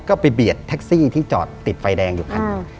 ก็ไปเบียดแท็กซี่ที่จอดติดไฟแดงอยู่คันหนึ่ง